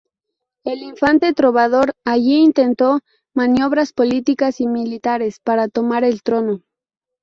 El infante trovador allí intentó maniobras políticas y militares para tomar el trono.